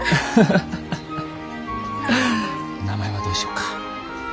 名前はどうしようか？